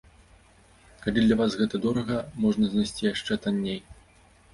Калі для вас гэта дорага, можна знайсці яшчэ танней!